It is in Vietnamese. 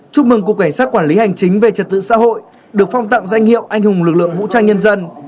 chúc mừng cục cảnh sát quản lý hành chính về trật tự xã hội được phong tặng danh hiệu anh hùng lực lượng vũ trang nhân dân